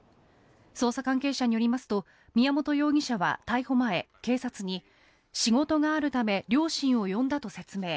捜査関係者によりますと宮本容疑者は逮捕前、警察に仕事があるため両親を呼んだと説明。